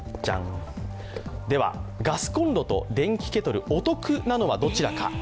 ガスコンロと電気ケトルお得なのはどちらか？